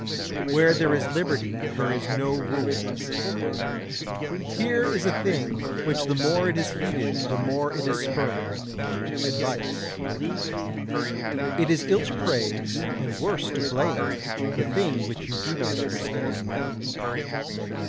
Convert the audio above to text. Where there is liberty, there is no rule. Here is a thing which the more it is heeded the more it is spurned, advice. It is ill to praise, and worse to blame, the thing which you do not understand.